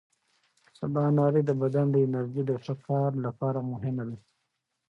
سباناري د بدن د انرژۍ د ښه کار لپاره مهمه ده.